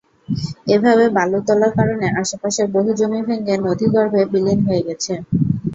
এভাবে বালু তোলার কারণে আশপাশের বহু জমি ভেঙে নদীগর্ভে বিলীন হয়ে গেছে।